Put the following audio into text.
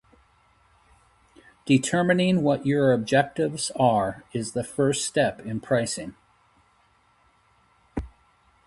Determining what your objectives are is the first step in pricing.